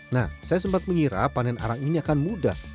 nah saya sempat mengira panen arang ini akan mudah